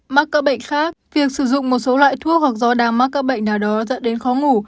mắc các bệnh khác việc sử dụng một số loại thuốc hoặc do đang mắc các bệnh nào đó dẫn đến khó ngủ